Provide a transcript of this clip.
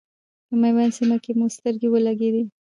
په میوند سیمه کې مو سترګې ولګېدلې.